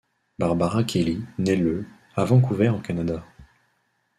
Barbara Kelly naît le à Vancouver, au Canada.